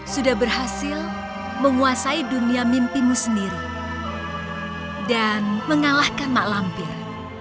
sudah berhasil menguasai dunia mimpimu sendiri dan mengalahkan mak lampir